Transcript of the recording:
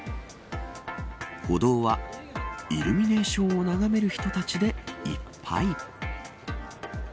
歩道はイルミネーションを眺める人たちでいっぱい。